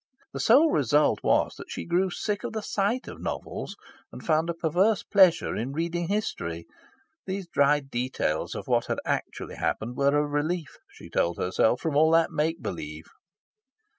The sole result was that she grew sick of the sight of novels, and found a perverse pleasure in reading history. These dry details of what had actually happened were a relief, she told herself, from all that make believe.